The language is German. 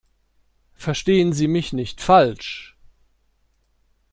Verstehen Sie mich nicht falsch.